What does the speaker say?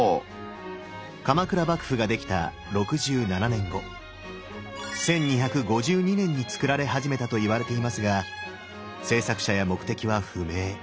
鎌倉幕府が出来た６７年後１２５２年につくられ始めたといわれていますが制作者や目的は不明。